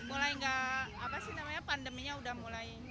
mulai nggak apa sih namanya pandeminya udah mulai